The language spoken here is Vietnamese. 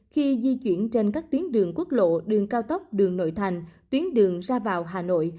khi di chuyển trên các tuyến đường quốc lộ đường cao tốc đường nội thành tuyến đường ra vào hà nội